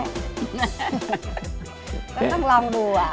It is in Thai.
ต้องลองดูอ่ะ